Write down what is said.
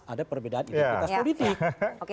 ada perbedaan identitas politik